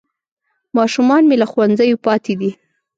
ماشومان مې له ښوونځیو پاتې دي